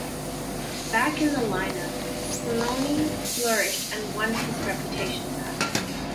Back in the line-up Speroni flourished and won his reputation back.